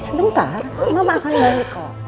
sebentar mama akan balik kok